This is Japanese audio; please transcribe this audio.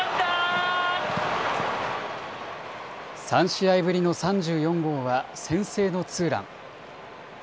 ３試合ぶりの３４号は先制のツーラン。